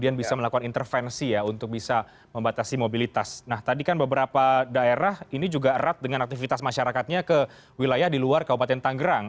nah tadi kan beberapa daerah ini juga erat dengan aktivitas masyarakatnya ke wilayah di luar kabupaten tanggerang